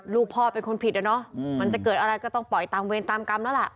ลูกพ่อเป็นคนผิดอะเนาะมันจะเกิดอะไรก็ต้องปล่อยตามเวรตามกรรมแล้วล่ะ